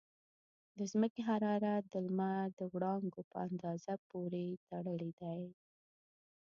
د ځمکې حرارت د لمر د وړانګو په اندازه پورې تړلی دی.